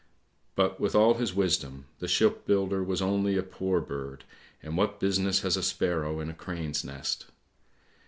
But with all his wisdom, the shipbuilder was only a poor bird, and what business has a sparrow in a crane's nest?